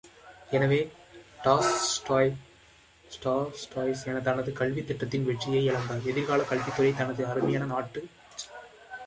எனவே, டால்ஸ்டாய் தனது கல்வித் திட்டத்தின் வெற்றியை இழந்தார் எதிர்காலக் கல்வித்துறை தனது அருமையான நாட்டுச் சேவையைக் கைவிட்டது!